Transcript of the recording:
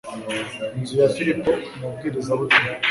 inzu ya Filipo umubwirizabutumwa